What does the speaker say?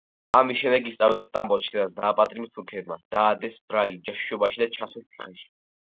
ამის შემდეგ ის წავიდა სტამბოლში, სადაც დააპატიმრეს თურქებმა, დადეს ბრალი ჯაშუშობაში და ჩასვეს ციხეში.